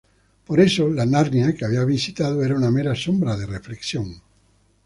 Por eso, la Narnia que habían visitado era una mera sombra de reflexión.